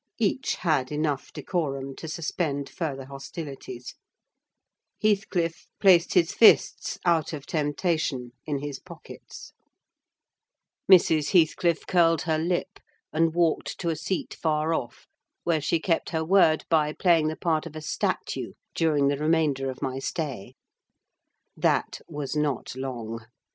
Each had enough decorum to suspend further hostilities: Heathcliff placed his fists, out of temptation, in his pockets; Mrs. Heathcliff curled her lip, and walked to a seat far off, where she kept her word by playing the part of a statue during the remainder of my stay. That was not long.